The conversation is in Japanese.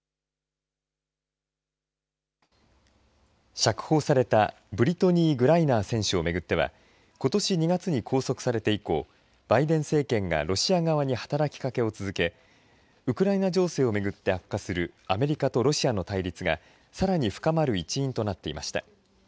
釈放されたブリトニー・グライナー選手を巡ってはことし２月に拘束されて以降バイデン政権がロシア側に働きかけを続けウクライナ情勢を巡って悪化するアメリカとロシアの対立がさらに深まる一因となっていました。